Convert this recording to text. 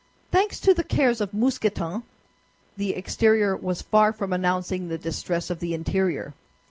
Thanks to the cares of Mousqueton, the exterior was far from announcing the distress of the interior.